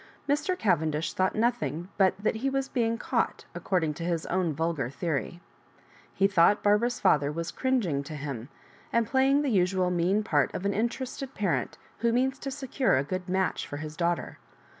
Mr. Cavendish thought nothing bat that he was being "caught," aooording to his own vulgar theory. He thought Barbara^s fa ther was cringing to him, and playing the usual mean part of an interested parent who means U. secure a good match for his daughter.